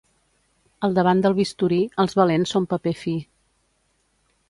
Al davant del bisturí, els valents són paper fi.